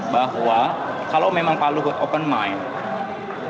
bahwa kalau memang pak luhut open mind